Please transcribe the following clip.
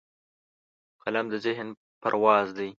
قلم د ذهن پرواز دی